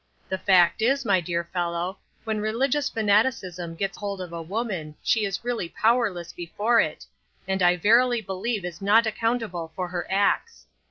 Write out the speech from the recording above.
The fact is, my dear fellow, when religious fanaticism gets hold of a woman she is really powerless before it, and I verily believe is not accountable for her acts.